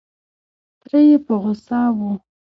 تره یې په غوسه و.